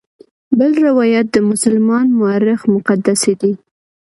بل روایت د مسلمان مورخ مقدسي دی.